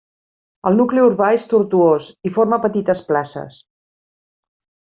El nucli urbà és tortuós i forma petites places.